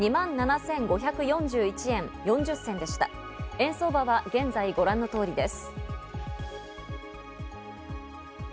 円相場は現在ご覧の通りです。